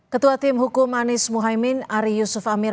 ketua tim hukum anies muhaymin ari yusuf amir